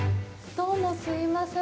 どうも、すいません。